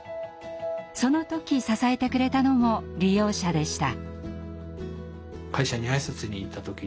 その時支えてくれたのも利用者でした。